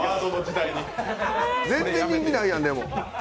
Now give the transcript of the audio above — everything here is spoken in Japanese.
全然人気ないやん、でも。